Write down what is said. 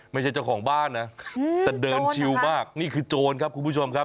เจ้าของบ้านนะแต่เดินชิวมากนี่คือโจรครับคุณผู้ชมครับ